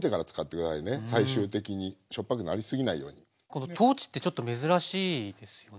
この豆ってちょっと珍しいですよね？